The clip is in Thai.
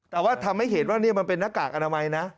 แต่ว่าทำให้เห็นว่านี่มันเป็นหน้ากากอนามัยนะ